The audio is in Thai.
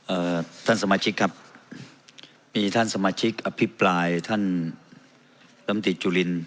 เอ่อท่านสมาชิกครับมีท่านสมาชิกอภิปรายท่านลำตีจุลิน